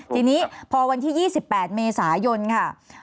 ทีนี้พอวันที่๒๘เมษายนค่ะ